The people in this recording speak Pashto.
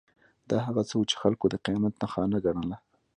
دا هغه څه وو چې خلکو د قیامت نښانه ګڼله.